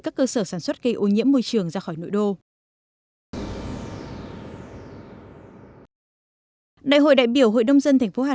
các cơ sở sản xuất cây ô nhiễm môi trường ra khỏi nội đô đại hội đại biểu hội đông dân thành phố hà